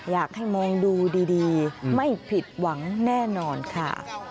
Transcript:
อยากให้มองดูดีไม่ผิดหวังแน่นอนค่ะ